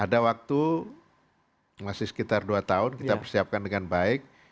ada waktu masih sekitar dua tahun kita persiapkan dengan baik